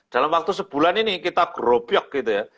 dalam waktu sebulan ini kita gerobyok gitu ya